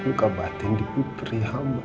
luka batin di putri amba